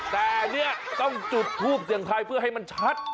แต่เนี่ยต้องจุดทูปเสียงไทยเพื่อให้มันชัด